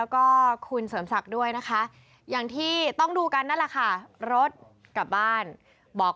ก็เอาไว้ที่นี้นะครับพี่บิ๊ก